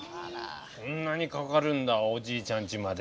そんなにかかるんだおじいちゃんちまで。